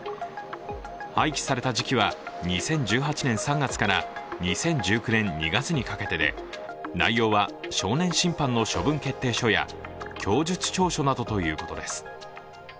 廃棄された時期は２０１８年３月から２０１９年２月にかけてで、内容は少年審判の処分決定書や供述調書などということです。